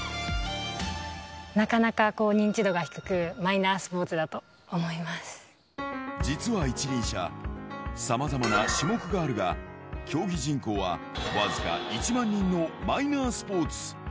なかなかこう、認知度が低く、実は一輪車、さまざまな種目があるが、競技人口は僅か１万人のマイナースポーツ。